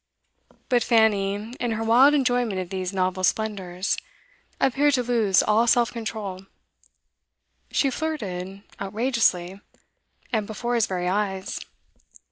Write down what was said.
But Fanny, in her wild enjoyment of these novel splendours, appeared to lose all self control. She flirted outrageously, and before his very eyes.